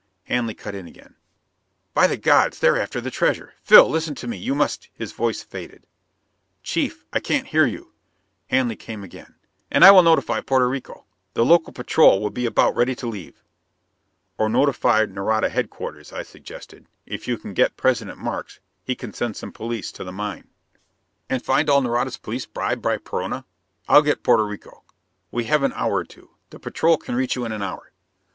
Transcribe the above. Hanley cut in again. "By the gods, they're after that treasure! Phil, listen to me! you must...." His voice faded. "Chief, I can't hear you!" Hanley came again: "... And I will notify Porto Rico. The local patrol will be about ready to leave." "Or notify Nareda headquarters," I suggested. "If you can get President Markes, he can send some police to the mine " "And find all Nareda's police bribed by Perona? I'll get Porto Rico. We have an hour or two; the patrol can reach you in an hour."